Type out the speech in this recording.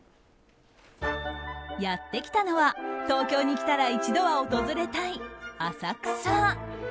やってきたのは東京に来たら一度は訪れたい浅草。